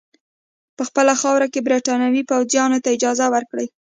په خپله خاوره کې برټانوي پوځیانو ته اجازه ورکړي.